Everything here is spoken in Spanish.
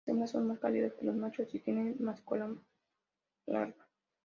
Las hembras son más pálidas que los machos y tienen la cola más larga.